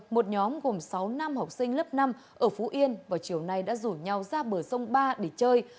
một nhóm gồm sáu nam học sinh lớp năm ở phú yên vào chiều nay đã rủ nhau ra bờ sông ba để chơi